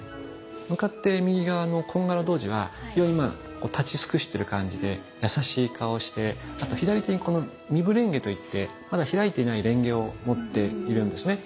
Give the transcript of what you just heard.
向かって右側の矜羯羅童子は非常にまあ立ち尽くしてる感じで優しい顔をしてあと左手に「未敷蓮華」といってまだ開いていない蓮華を持っているんですね。